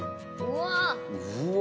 うわ！